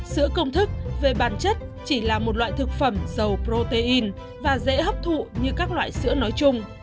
sữa công thức về bản chất chỉ là một loại thực phẩm dầu protein và dễ hấp thụ như các loại sữa nói chung